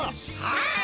はい！